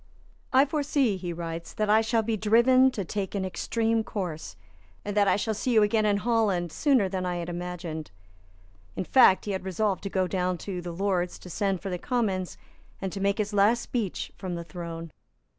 "I foresee," he writes, "that I shall be driven to take an extreme course, and that I shall see you again in Holland sooner than I had imagined." In fact he had resolved to go down to the Lords, to send for the Commons, and to make his last speech from the throne.